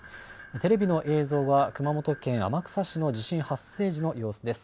テレビの映像は熊本県天草市の地震発生時の様子です。